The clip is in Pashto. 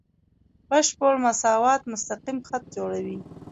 بشپړ مساوات مستقیم خط جوړوي.